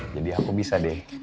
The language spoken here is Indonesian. jadi aku bisa deh